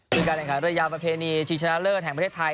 คือการแข่งขันเรือยาวประเพณีชิงชนะเลิศแห่งประเทศไทย